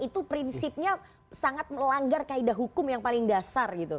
itu prinsipnya sangat melanggar kaedah hukum yang paling dasar gitu